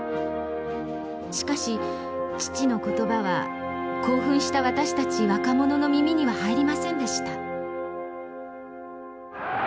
しかし父の言葉は興奮した私たち若者の耳には入りませんでした」。